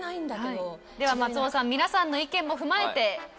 では松尾さん皆さんの意見も踏まえて。